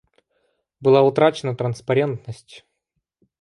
Была утрачена транспарентность.